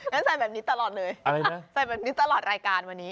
ใส่แบบนี้ตลอดเลยใส่แบบนี้ตลอดรายการวันนี้